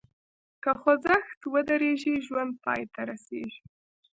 که خوځښت ودریږي، ژوند پای ته رسېږي.